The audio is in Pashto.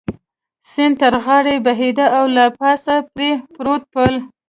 سیند تر غاړې بهېده او له پاسه پرې پروت پل.